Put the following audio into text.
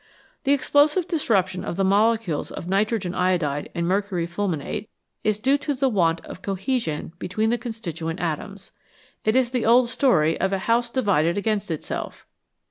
The explosive disruption of the molecules of nitrogen iodide and mercury fulminate is due to the want of 168 EXPLOSIONS AND EXPLOSIVES cohesion between the constituent atoms ; it is the old story of a house divided against itself.